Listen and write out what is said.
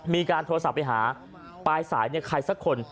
มีการโทรศัพท์ไปหาปลายสายใครสักคน